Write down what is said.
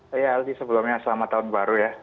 saya aldi sebelumnya selamat tahun baru ya